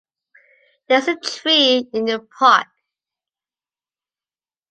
There is a tree in the park.